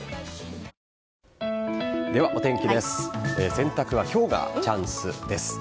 洗濯は今日がチャンスです。